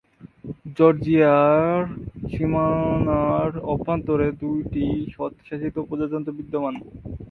জর্জিয়ার সীমানার অভ্যন্তরে দুইটি স্বায়ত্তশাসিত প্রজাতন্ত্র বিদ্যমান।